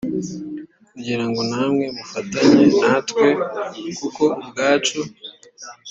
kugira ngo namwe mufatanye natwe kuko ubwacu